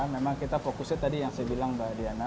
memang kita fokusnya tadi yang saya bilang mbak diana